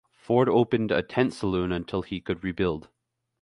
Ford opened a tent saloon until he could rebuild.